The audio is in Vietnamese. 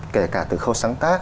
kể cả từ khâu sáng tác